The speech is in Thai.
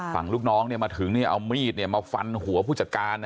ลูกน้องมาถึงเอามีดมาฟันหัวผู้จัดการ